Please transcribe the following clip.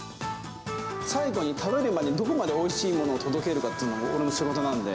最後に食べるまでどこまでおいしいものを届けるかっていうのが、俺の仕事なんで。